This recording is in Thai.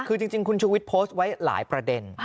คือจริงคุณชูวิทย์โพสต์ไว้หลายประเด็น